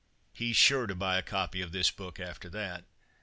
(He's sure to buy a copy of this book after that.)